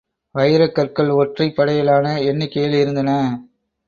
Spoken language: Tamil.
வைரக் கற்கள் ஒற்றைப் படையிலான எண்ணிக்கையில் இருந்தன.